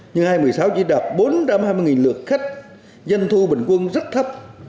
nhưng hai nghìn một mươi sáu chỉ đạt bốn trăm hai mươi lượt khách doanh thu bình quân rất thấp